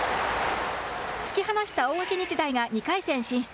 突き放した大垣日大が２回戦進出。